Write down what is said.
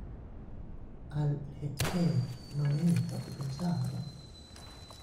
Al leer no era lo que pensaban.